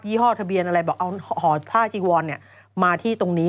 ี่ห้อทะเบียนอะไรบอกเอาห่อผ้าจีวอนมาที่ตรงนี้